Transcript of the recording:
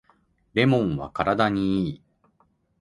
レモンは体にいい